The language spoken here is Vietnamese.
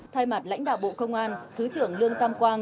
thay mặt lãnh đạo bộ công an thứ trưởng lương tam quang